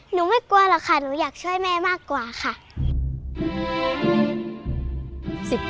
ไม่กลัวหรอกค่ะหนูอยากช่วยแม่มากกว่าค่ะ